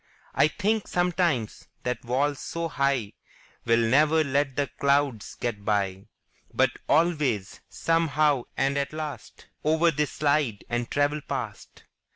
I think sometimes that walls so high Will never let the clouds get by; But always, some how and at last, Over they slide and travel past.